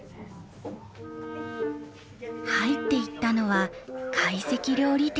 入っていったのは会席料理店。